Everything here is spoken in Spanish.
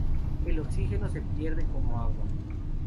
El oxígeno se pierde como agua.